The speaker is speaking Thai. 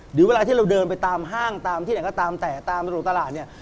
หรือเวลาที่เราเดินไปตามห้างตามที่ไหนก็ตามแต่ตามประตูตลาดเนี่ย